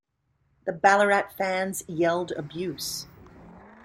The Ballarat fans yelled abuse.